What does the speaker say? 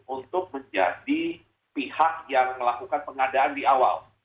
untuk menjadi pihak yang melakukan pengadaan di awal